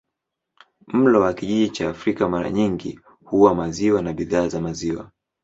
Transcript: Mlo wa kijiji cha Afrika mara nyingi huwa maziwa na bidhaa za maziwa.